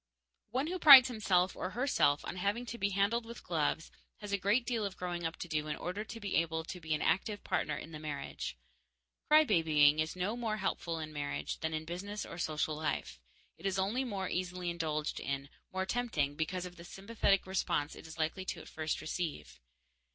_ One who prides himself or herself on having to be handled with gloves has a great deal of growing up to do in order to be able to be an active partner in the marriage. Cry babying is no more helpful in marriage than in business or social life; it is only more easily indulged in, more tempting because of the sympathetic response it is likely at first to receive.